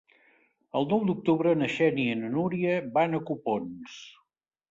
El nou d'octubre na Xènia i na Núria van a Copons.